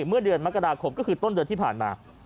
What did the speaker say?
เมื่อเดือนมกราคมก็คือต้นเดือนที่ผ่านมา